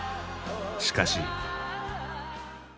しかし。